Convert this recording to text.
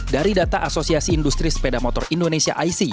dari data asosiasi industri sepeda motor indonesia ic